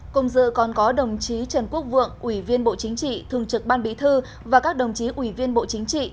cùng dự còn có đồng chí trần quốc vượng ủy viên bộ chính trị thường trực ban bí thư và các đồng chí ủy viên bộ chính trị